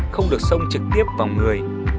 không được xông trực tiếp vào người